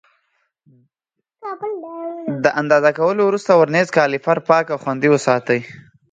د اندازه کولو وروسته ورنیز کالیپر پاک او خوندي وساتئ.